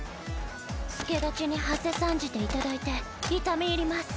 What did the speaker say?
助太刀にはせ参じていただいて痛み入りマス。